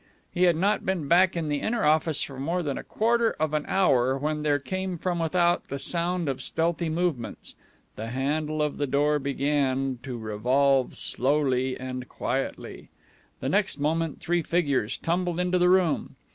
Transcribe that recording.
He had not been back in the inner office for more than a quarter of an hour when there came from without the sound of stealthy movements. The handle of the door began to revolve slowly and quietly. The next moment three figures tumbled into the room.